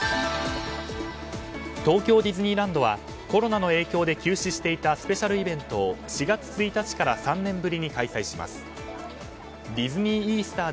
東京ディズニーランドはコロナの影響で休止していたスペシャルイベントを４月１日から３年ぶりに開催します。